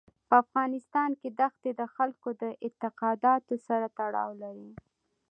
په افغانستان کې دښتې د خلکو د اعتقاداتو سره تړاو لري.